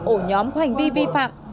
ổ nhóm hành vi vi phạm